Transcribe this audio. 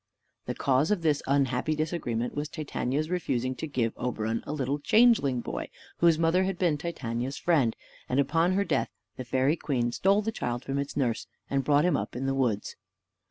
The cause of this unhappy disagreement was Titania's refusing to give Oberon a little changeling boy, whose mother had been Titania's friend; and upon her death the fairy queen stole the child from its nurse, and brought him up in the woods.